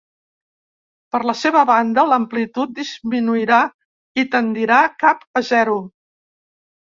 Per la seva banda, l'amplitud disminuirà i tendirà cap a zero.